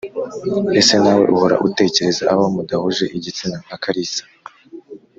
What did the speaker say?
Ese nawe uhora utekereza abo mudahuje igitsina nka Kalisa